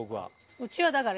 うちはだから。